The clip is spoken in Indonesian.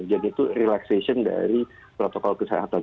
jadi itu relaxation dari protokol kesehatan